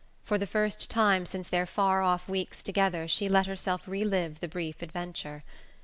For the first time since their far off weeks together she let herself relive the brief adventure.